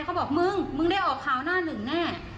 เขาบอกมึงมึงได้ออกข่าวหน้าหนึ่งแน่